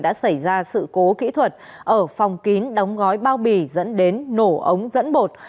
đã xảy ra sự cố kỹ thuật ở phòng kín đóng gói bao bì dẫn đến nổ ống dẫn bột